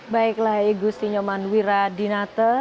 baiklah igusti nyoman wiradinate